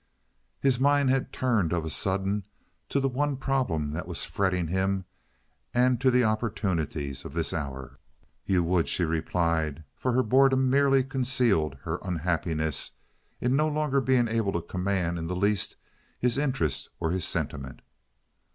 His mind had turned of a sudden to the one problem that was fretting him and to the opportunities of this hour. "You would," she replied, for her boredom merely concealed her unhappiness in no longer being able to command in the least his interest or his sentiment.